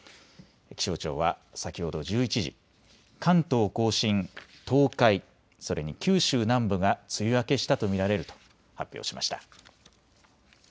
気象庁は先ほど１１時、関東甲信、東海、それに九州南部が梅雨明けしたと見られると発表しました。